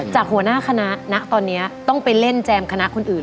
หัวหน้าคณะณตอนนี้ต้องไปเล่นแจมคณะคนอื่น